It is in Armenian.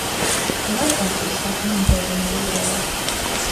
Նրանք ասես սահում են տերևների վրայով։